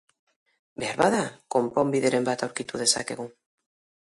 Beharbada, konponbideren bat aurkitu dezakegu.